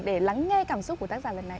để lắng nghe cảm xúc của tác giả lần này